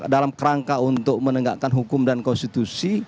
dalam kerangka untuk menegakkan hukum dan konstitusi